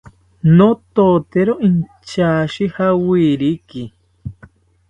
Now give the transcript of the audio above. Nototero inchashi jawiriki